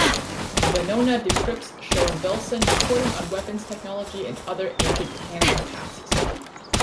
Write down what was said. Venona decrypts show Velson reporting on weapons technology and other agent handling tasks.